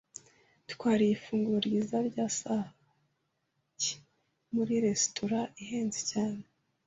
Twariye ifunguro ryiza rya staki muri resitora ihenze cyane.